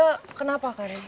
dia kenapa karim